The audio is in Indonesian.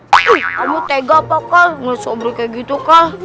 kamu tega apa kal gak sabar kayak gitu kal